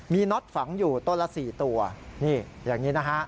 มีน็อตฝังอยู่ต้นละ๔ตัวอย่างนี้